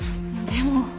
でも。